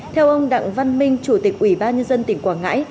theo ông đặng văn minh chủ tịch ủy ban nhân dân tỉnh quảng ngãi